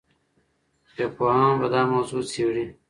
ژبپوهان به دا موضوع څېړي.